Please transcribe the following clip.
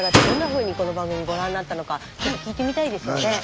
どんなふうにこの番組ご覧になったのかちょっと聞いてみたいですよね。